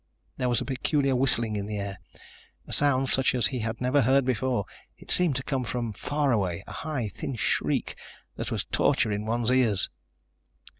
There was a peculiar whistling in the air, a sound such as he had never heard before. It seemed to come from far away, a high, thin shriek that was torture in one's ears.